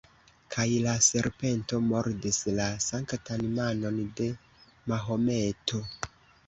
Kaj la serpento mordis la sanktan manon de Mahometo.